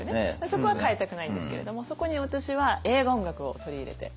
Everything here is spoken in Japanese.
そこは変えたくないんですけれどもそこに私は映画音楽を取り入れて。